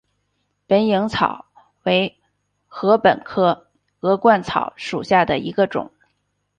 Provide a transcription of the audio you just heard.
大颖草为禾本科鹅观草属下的一个种。